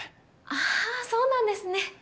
あぁそうなんですね。